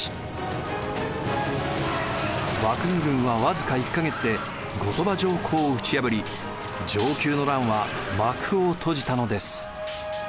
幕府軍は僅か１か月で後鳥羽上皇を打ち破り承久の乱は幕を閉じたのです。